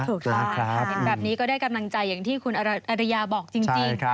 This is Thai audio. ถูกค่ะแบบนี้ก็ได้กำลังใจอย่างที่คุณอารยาบอกจริง